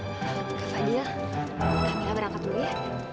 kak fadil kak camilla berangkat dulu ya